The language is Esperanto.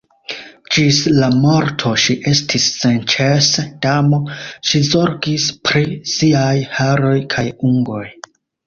Ĝis la morto ŝi estis senĉese damo, ŝi zorgis pri siaj haroj kaj ungoj.